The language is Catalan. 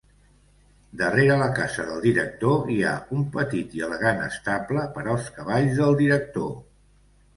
Darrere la casa del director hi ha un petit i elegant estable per als cavalls del director.